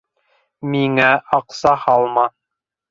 Миңә аҡса һалма.